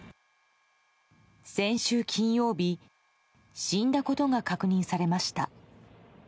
先週金曜日死んだことが確認されました。